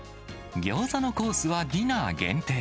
ギョーザのコースはディナー限定。